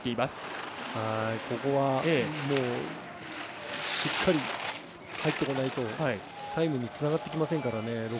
しっかり入ってこないとタイムにつながってきませんから。